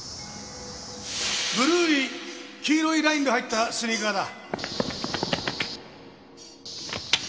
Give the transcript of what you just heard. ブルーに黄色いラインが入ったスニーカーだ。